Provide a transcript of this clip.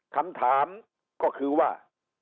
คำถามก็คือว่า